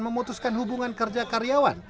memutuskan hubungan kerja karyawan